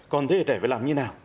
còn thế hệ trẻ phải làm như nào